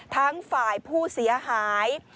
ทั้งฝ่ายผู้เสียหาย